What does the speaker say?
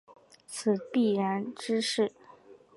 此必然之势。